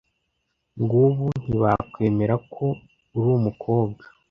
ngubu ntibakwemera ko uri umukobwa